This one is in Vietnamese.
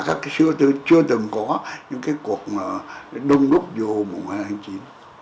tất cả các sư tư chưa từng có những cái cuộc đông đúc vô mùa hai tháng chín